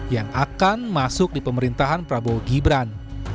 yang akan masuk di pemerintahan prabowo gibran